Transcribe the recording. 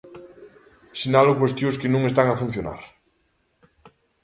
Sinalo cuestións que non están a funcionar.